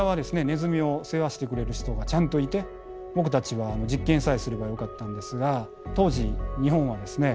ネズミを世話してくれる人がちゃんといて僕たちは実験さえすればよかったんですが当時日本はですね